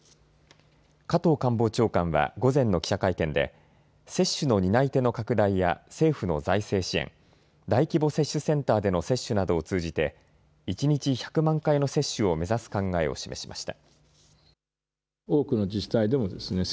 加藤官房長官は午前の記者会見で接種の担い手の拡大や政府の財政支援、大規模接種センターでの接種などを通じて一日１００万回の接種を目指す考えを示しました。